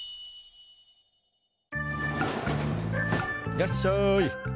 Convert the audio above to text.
いらっしゃい。